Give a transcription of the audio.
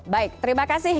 baik terima kasih